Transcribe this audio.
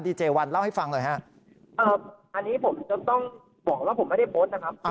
เจวันเล่าให้ฟังหน่อยฮะอันนี้ผมจะต้องบอกว่าผมไม่ได้โพสต์นะครับ